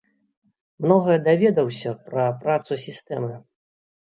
Многае даведаўся пра працу сістэмы.